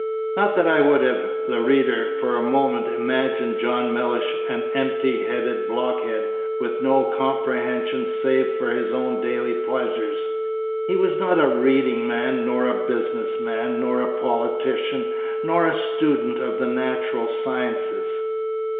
Not that I would have the reader for a moment imagine John Mellish an empty headed blockhead, with no comprehension save for his own daily pleasures. He was not a reading man, nor a business man, nor a politician, nor a student of the natural sciences.